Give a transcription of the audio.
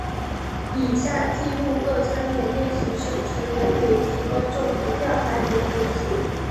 以下记录各参演练习生成员每集观众投票排名名次。